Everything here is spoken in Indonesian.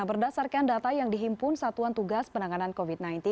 berdasarkan data yang dihimpun satuan tugas penanganan covid sembilan belas